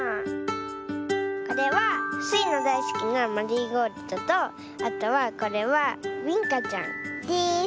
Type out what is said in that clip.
これはスイのだいすきなマリーゴールドとあとはこれはビンカちゃんです。